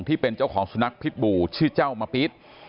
ที่เป็นเจ้าของสุนัขพิษบูชื่อเจ้ามะปี๊ด